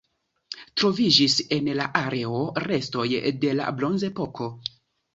Troviĝis en la areo restoj de la Bronzepoko.